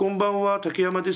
竹山です。